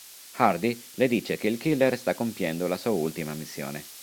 Hardy le dice che il killer sta compiendo la sua ultima missione.